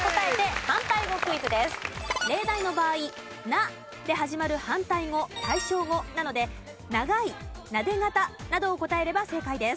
例題の場合「な」で始まる反対語・対照語なので「長い」「なで肩」などを答えれば正解です。